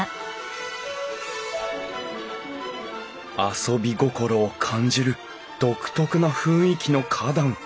遊び心を感じる独特な雰囲気の花壇。